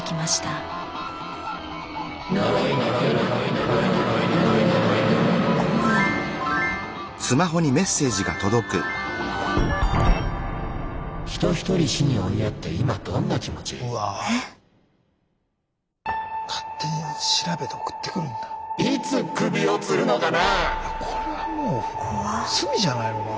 これはもう罪じゃないのかな。